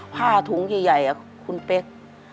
ผ้าถุงใหญ่คุณเป๊ก